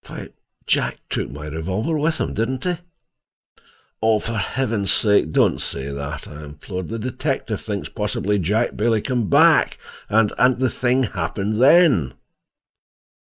"Why, Jack took my revolver with him, didn't he?" "Oh, for Heaven's sake don't say that," I implored. "The detective thinks possibly Jack Bailey came back, and—and the thing happened then."